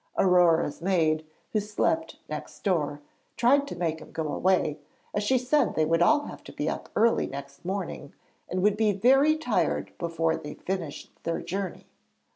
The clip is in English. Aurore's maid, who slept next door, tried to make him go away, as she said they would all have to be up early next morning and would be very tired before they finished their journey.